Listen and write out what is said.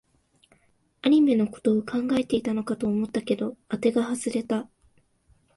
アニメのことを考えていたのかと思ったけど、あてが外れた